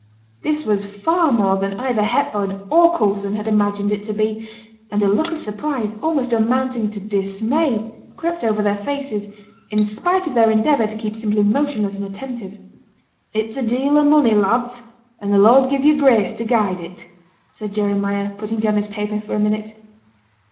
This was far more than either Hepburn or Coulson had imagined it to be; and a look of surprise, almost amounting to dismay, crept over their faces, in spite of their endeavour to keep simply motionless and attentive. 'It's a deal of money, lads, and the Lord give you grace to guide it,' said Jeremiah, putting down his paper for a minute.